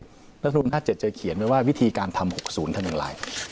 รัฐธรรมรุนห้าเจ็บจะเขียนว่าวิธีการทำหกศูนย์ทั้งหนึ่งลาย